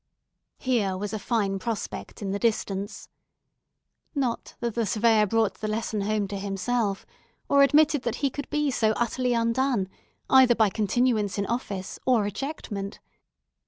Here was a fine prospect in the distance. Not that the Surveyor brought the lesson home to himself, or admitted that he could be so utterly undone, either by continuance in office or ejectment.